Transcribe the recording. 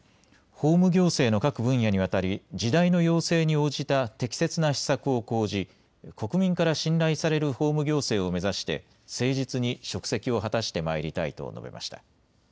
法務行政の各分野にわたり時代の要請に応じた適切な施策を講じ国民から信頼される法務行政を目指して誠実に職責を果たしてまいりたいと述べました。